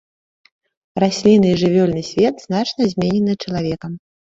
Раслінны і жывёльны свет значна зменены чалавекам.